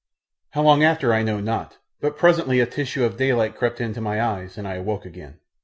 How long after I know not, but presently a tissue of daylight crept into my eyes, and I awoke again.